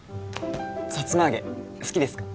さつま揚げ好きですか？